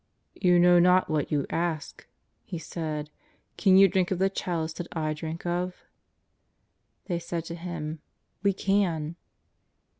" You know not what you ask," He said. " Can you drink of the chalice that I drink of ?" They said to Him :" We can."